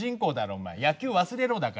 お前野球忘れろだから。